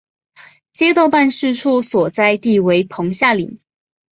街道办事处所在地为棚下岭。